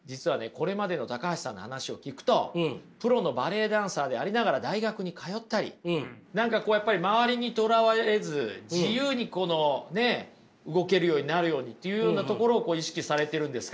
これまでの橋さんの話を聞くとプロのバレエダンサーでありながら大学に通ったり何かこうやっぱり周りにとらわれず自由にこのね動けるようになるようにというようなところを意識されてるんですか？